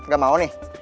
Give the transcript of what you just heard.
gak mau nih